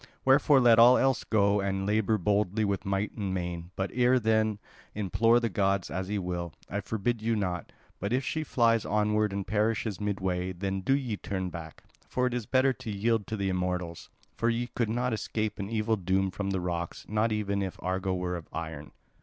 Wherefore let all else go and labour boldly with might and main, but ere then implore the gods as ye will, I forbid you not. But if she flies onward and perishes midway, then do ye turn back; for it is better to yield to the immortals. For ye could not escape an evil doom from the rocks, not even if Argo were of iron."